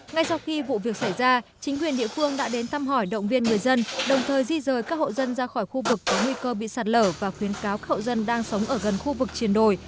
ngay sau khi vụ việc xảy ra chính quyền địa phương đã đến thăm hỏi động viên người dân đồng thời di rời các hộ dân ra khỏi khu vực có nguy cơ bị sạt lở và khuyến cáo hậu dân đang sống ở gần khu vực triền đồi